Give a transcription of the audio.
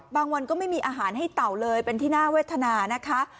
บางวันก็ไม่มีอาหารให้เต่าเลยเป็นที่น่าเวทนานะคะ